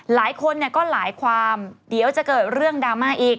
หลายคนก็หลายความเดี๋ยวจะเกิดเรื่องดราม่าอีก